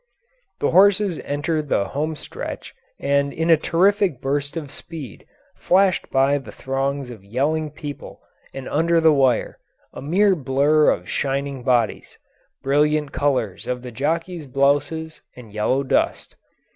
The horses entered the home stretch and in a terrific burst of speed flashed by the throngs of yelling people and under the wire, a mere blur of shining bodies, brilliant colours of the jockeys' blouses, and yellow dust.